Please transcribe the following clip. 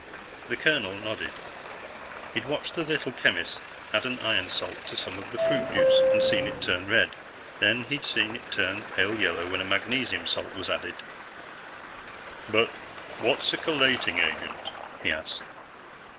The colonel nodded. He'd watched the little chemist add an iron salt to some of the fruit juice and seen it turn red. Then he'd seen it turn pale yellow when a magnesium salt was added. "But what's a chelating agent?" he asked.